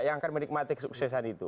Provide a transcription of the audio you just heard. yang akan menikmati kesuksesan itu